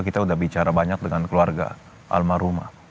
kita sudah bicara banyak dengan keluarga almarhumah